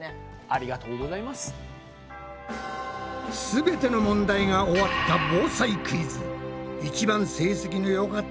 すべての問題が終わった防災クイズ。